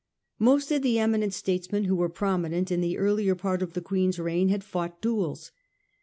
Most of the eminent statesmen who were prominent in the earlier part of the Quern's reign had fought duels.